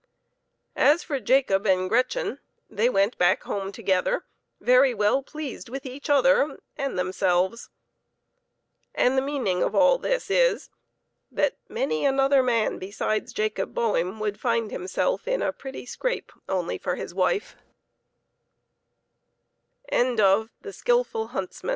As for Jacob and Gretchen, they went back home together, very well pleased with each other and themselves. And the meaning of all this is, that many another man beside Jacob Boehm would find himself in a pretty scrape onl